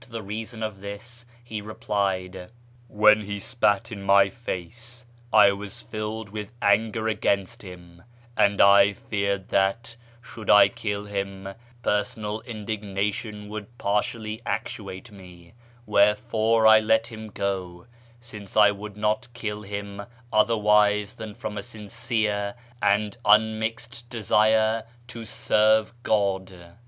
452 A YEAR AMONGST THE PERSIANS reason of tliis, he replied, " Wlu'u lie s])at in my face I was tillod willi aniier acrainst liiui, ami 1 fcaicd that, shouM I kill him, personal indignation would partially actuate me ; where fore I let him go, since I would not kill him otherwise than from a sincere and unmixed desire to serve (Jod."